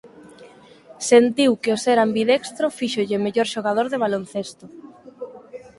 Sentiu que o ser ambidextro fíxolle mellor xogador de baloncesto.